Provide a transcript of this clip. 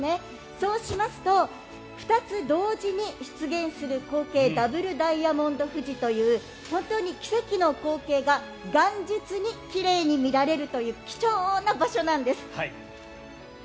そうしますと２つ同時に出現する光景ダブルダイヤモンド富士という本当に奇跡の光景が元日に奇麗に見られるという貴重な場所なんです。